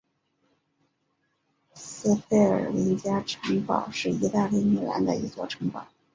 斯佩尔林加城堡是意大利米兰的一座城堡。